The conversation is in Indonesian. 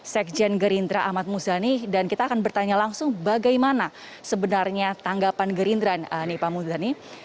sekjen gerindra ahmad muzani dan kita akan bertanya langsung bagaimana sebenarnya tanggapan gerindra nih pak muzani